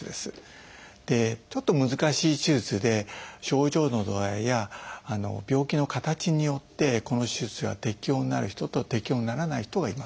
ちょっと難しい手術で症状の度合いや病気の形によってこの手術が適応になる人と適応にならない人がいます。